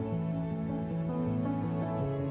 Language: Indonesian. sebagai seorang pemerintah